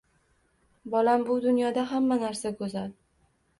Bolam bu dunyoda hamma narsa goʻzal